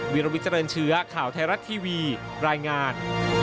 วิลวิเจริญเชื้อข่าวไทยรัฐทีวีรายงาน